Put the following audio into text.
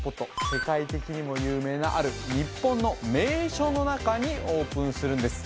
世界的にも有名なある日本の名所の中にオープンするんです